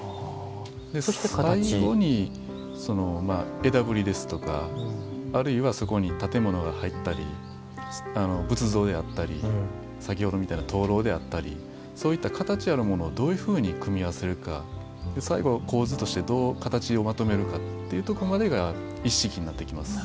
そして、最後に枝ぶりですとかあるいは、そこに建物が入ったり仏像であったり先ほどみたいな灯籠であったりそういった形あるものをどういうふうに組み合わせるか最後、構図としてどう形をまとめるかが一式となってきます。